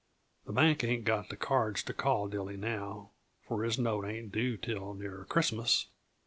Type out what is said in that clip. The bank ain't got the cards to call Dilly now, for his note ain't due till near Christmas.